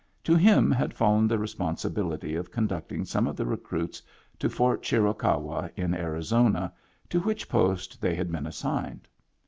To him had fallen the responsibility of conducting some of the recruits to Fort Chiricahua in Arizona, to which post they had been assigned.